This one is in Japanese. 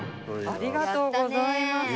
ありがとうございます！